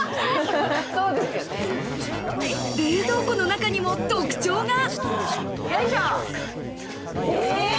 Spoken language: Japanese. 冷蔵庫の中にも特徴が。